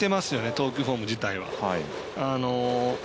投球フォーム自体は。